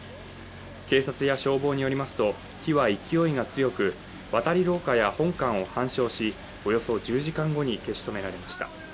警察や消防によりますと火は勢いが強く渡り廊下や本館を半焼し、およそ１０時間後に消し止められました。